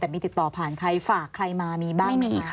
แต่มีติดต่อผ่านใครฝากใครมามีบ้างมีค่ะ